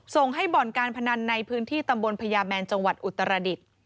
ส่งให้บ่อนการพนันในพื้นที่ตำบลพญาแมนจังหวัดอุตรดิษฐ์